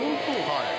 はい。